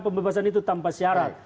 pembebasan itu tanpa syarat